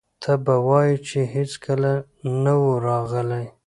ته به وایې چې هېڅکله نه و راغلي.